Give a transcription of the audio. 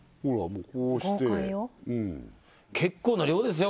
もうこうして結構な量ですね